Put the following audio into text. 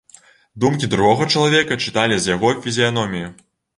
Думкі другога чалавека чыталі з яго фізіяноміі.